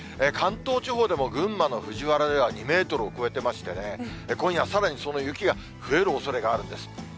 関東地方でも、群馬の藤原では２メートルを超えてましてね、今夜さらに、その雪が増えるおそれがあるんです。